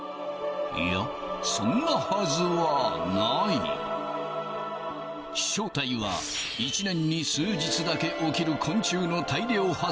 いやそんなはずはない正体は一年に数日だけ起きる昆虫の大量発生